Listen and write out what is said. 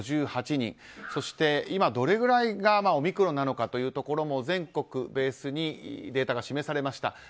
そして今どれぐらいがオミクロンなのかというところも全国ベースにデータが示されました。